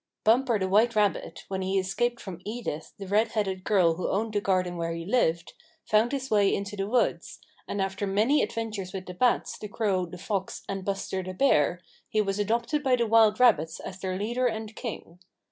Bumper the White Rabbit, when he escaped from Edith, the red headed girl who owned the garden where he lived, foimd his way into the woods, and, after many adventures with the Bats, the Crow, the Fox and Buster the Bear, he was adopted by the wild rabbits as their leader and king.